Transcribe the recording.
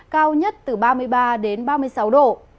cao nhất từ ba mươi ba đến ba mươi sáu độ